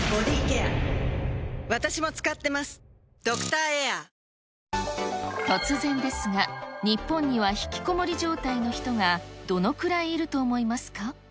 ９０００人以上の方が、突然ですが、日本にはひきこもり状態の人が、どのくらいいると思いますか。